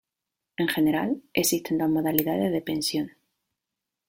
En general, existen dos modalidades de pensión.